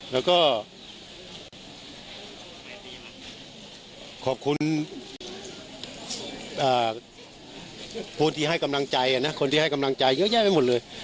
แล้วก็ขอบคุณคนที่ให้กำลังใจโย๊ยแยะไม่หมดเลย